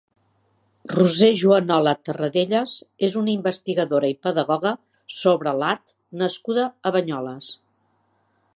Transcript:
Roser Juanola Terradellas és una investigadora i pedagoga sobre l'art nascuda a Banyoles.